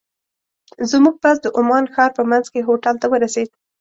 زموږ بس د عمان ښار په منځ کې هوټل ته ورسېد.